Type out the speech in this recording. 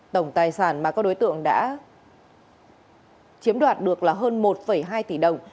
tổng tài sản mà các đối tượng đã chiếm đoạt được là hơn một hai tỷ đồng